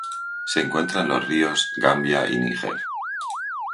Se encuentra en los ríos Gambia y Níger.